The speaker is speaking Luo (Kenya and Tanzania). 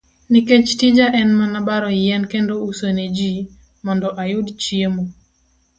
Nikech tija en mana baro yien kendo uso ne ji, mondo ayud chiemo.